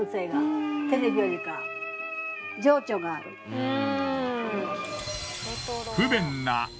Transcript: うん。